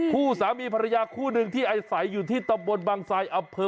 คู่สามีภรรยาคู่หนึ่งที่อาศัยอยู่ที่ตำบลบางไซดอำเภอ